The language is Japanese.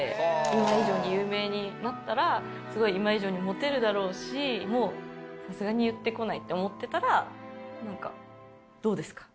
今以上に有名になったらすごい今以上にモテるだろうしもうさすがに言ってこないと思ってたらなんか「どうですか？